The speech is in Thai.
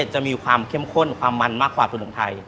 จะมีความเข้มข้นความมันมากกว่าขนมไทย